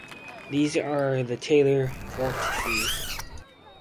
These are the Taylor vortices.